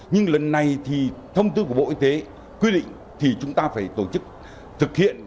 nhưng lần này thì thông tư của bộ y tế quy định thì chúng ta phải tổ chức thực hiện